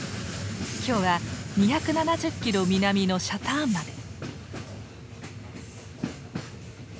今日は２７０キロ南のシャターンまで。